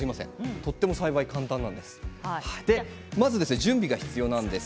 とても栽培が簡単なんです。